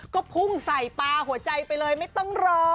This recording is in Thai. ก็พุ่งใส่ปลาหัวใจไปเลยไม่ต้องรอ